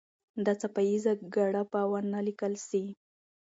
دا څپه ایزه ګړه به ونه لیکل سي.